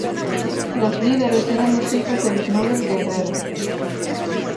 Los líderes eran los hijos de los nobles guerreros.